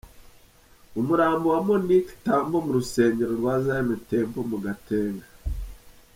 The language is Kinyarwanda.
Umurambo wa Monique Tambo mu rusengero rwa Zion Temple mu Gatenga.